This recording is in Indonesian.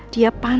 dia pantas bahagia